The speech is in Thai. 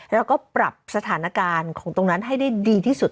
แล้วก็ปรับสถานการณ์ของตรงนั้นให้ได้ดีที่สุด